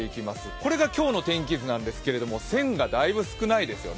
これが今日の天気図なんですけれども線がだいぶ少ないですよね。